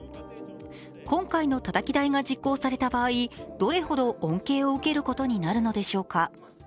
今回のたたき台が実行された場合どれくらい恩恵を受けることになるのでしょうか。